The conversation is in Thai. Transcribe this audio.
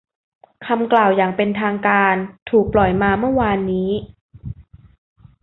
คำกล่าวอย่างเป็นทางการถูกปล่อยมาเมื่อวานนี้